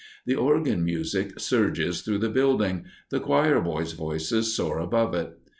The organ music surges through the building, the choir boys' voices soar above it.